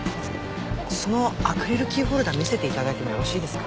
そのアクリルキーホルダー見せて頂いてもよろしいですか？